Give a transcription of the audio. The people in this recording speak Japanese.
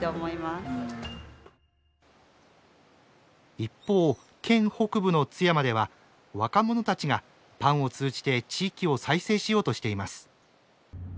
一方県北部の津山では若者たちがパンを通じて地域を再生しようとしています。